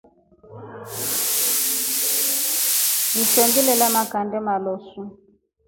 Ishoo nʼgielya mangʼande maloosu.